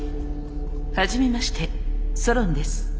初めましてソロンです。